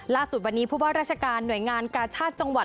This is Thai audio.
ล่าสุดวันนี้ผู้ว่าราชการหน่วยงานกาชาติจังหวัด